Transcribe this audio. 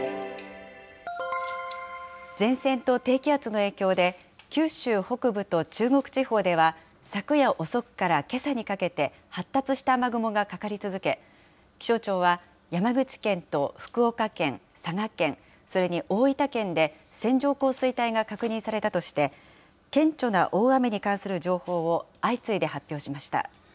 前線と低気圧の影響で、九州北部と中国地方では、昨夜遅くからけさにかけて発達した雨雲がかかり続け、気象庁は山口県と福岡県、佐賀県、それに大分県で線状降水帯が確認されたとして、顕著な大雨に関する情報を相次いで発表しました。